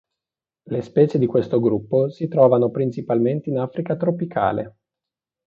Le specie di questo gruppo si trovano principalmente in Africa tropicale.